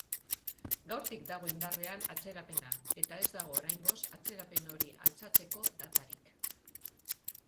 Gaurtik dago indarrean atzerapena, eta ez dago oraingoz atzerapen hori altxatzeko datarik.